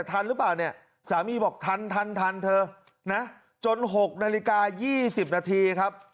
ทันหรือเปล่าสามีบอกทันทันเธอจนหกนาฬิกา๒๐นาที